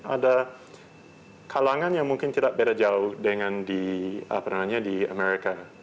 ada kalangan yang mungkin tidak beda jauh dengan di amerika